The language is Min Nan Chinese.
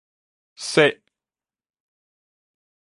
踅